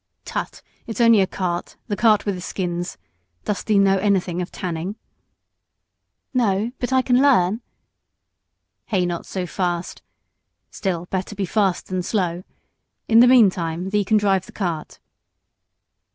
"Tut! it's only a cart the cart with the skins. Dost thee know anything of tanning?" "No, but I can learn." "Hey, not so fast! still, better be fast than slow. In the meantime, thee can drive the cart."